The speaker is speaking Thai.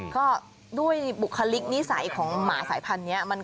ก็ด้วยบุคลิกนิสัยของหมาสายพันธุ์นี้